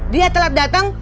dia telat datang